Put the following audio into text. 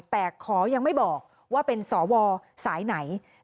แต่ขอยังไม่บอกว่าเป็นสวสายไหน